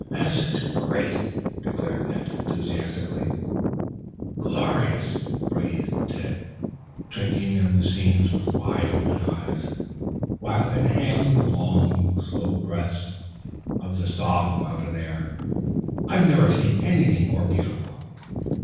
"This is great!" declared Ned enthusiastically. "Glorious," breathed Tad, drinking in the scene with wide open eyes, while inhaling in long, slow breaths, the soft mountain air. "I never saw anything more beautiful."